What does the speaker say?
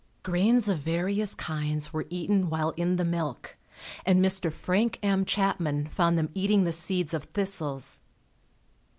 Grains of various kinds were eaten while in the milk, and Mr. Frank M. Chapman found them eating the seeds of thistles.